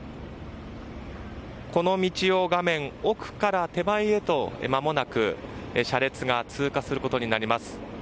この道を画面奥から手前へとまもなく車列が通過することになります。